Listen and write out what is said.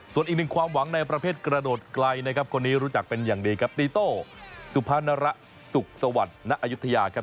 ส่วนอีกหนึ่งความหวังในประเภทกระโดดไกลนะครับคนนี้รู้จักเป็นอย่างดีครับตีโต้สุภานระสุขสวัสดิ์ณอายุทยาครับ